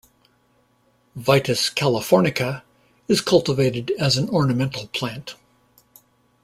"Vitis californica" is cultivated as an ornamental plant.